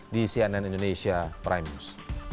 di cnn indonesia prime news